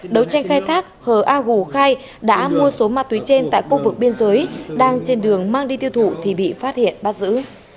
đấu tranh khai thác hờ a gù khai đã mua số ma túy trên tại khu vực biên giới đang trên đường mang đi tiêu thụ thì bị phát hiện bắt giữ